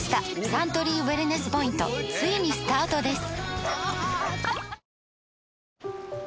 サントリーウエルネスポイントついにスタートです！